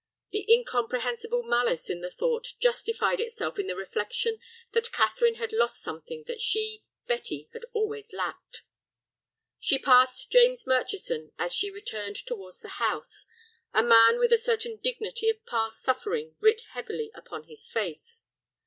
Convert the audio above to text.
The incomprehensible malice in the thought justified itself in the reflection that Catherine had lost something that she, Betty, had always lacked. She passed James Murchison as she returned towards the house, a man with a certain dignity of past suffering writ heavily upon his face.